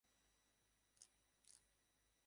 তাই ভেষজ গুণের জন্য কাঁচা রসুন বেশি উপকারী।